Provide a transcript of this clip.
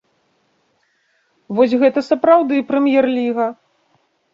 Вось гэта сапраўды прэм'ер-ліга!